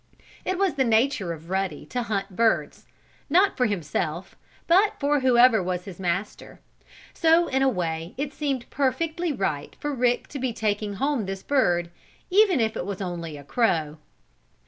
It was the nature of Ruddy to hunt birds, not for himself but for whoever was his master. So, in a way, it seemed perfectly right for Rick to be taking home this bird, even if it was only a crow.